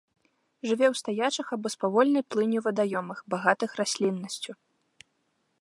Жыве ў стаячых або з павольнай плынню вадаёмах, багатых расліннасцю.